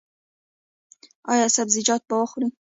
ایا سبزیجات به خورئ؟